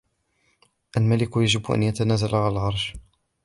الملك يجب أن يتنازل عن العرش.